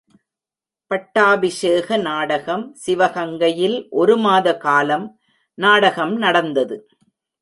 பட்டாபிஷேக நாடகம் சிவகங்கையில் ஒருமாத காலம் நாடகம் நடந்தது.